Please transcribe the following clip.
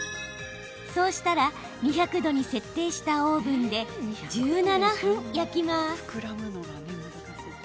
そうしたら、２００度に設定したオーブンで１７分焼きます。